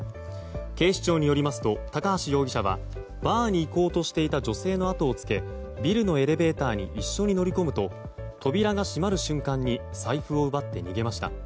警視庁によりますと高橋容疑者はバーに行こうとしてた女性の後をつけビルのエレベーターに一緒に乗り込むと扉が閉まる瞬間に財布を奪って逃げました。